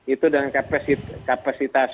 itu dengan kapasitas